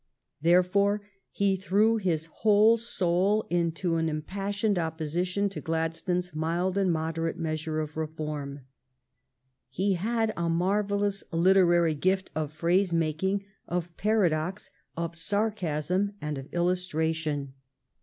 Therefore he threw his whole soul into an impassioned opposition to Gladstone's mild and moderate measure of reform. He had a mar vellous literary gift of phrase making, of paradox, of sarcasm, and of illustration.